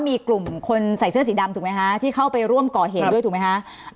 มีกลุ่มคนใส่เสื้อสีดำถูกไหมคะที่เข้าไปร่วมก่อเหตุด้วยถูกไหมคะ